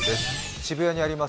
渋谷にあります